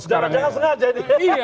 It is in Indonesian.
jangan sengaja ini